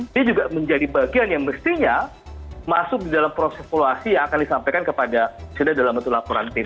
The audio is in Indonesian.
ini juga menjadi bagian yang mestinya masuk di dalam proses evaluasi yang akan disampaikan kepada sudah dalam bentuk laporan tim